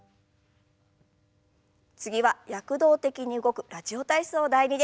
次は躍動的に動く「ラジオ体操第２」です。